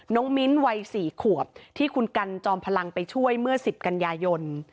มิ้นท์วัย๔ขวบที่คุณกันจอมพลังไปช่วยเมื่อ๑๐กันยายน